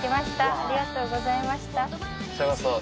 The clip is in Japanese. ありがとうございます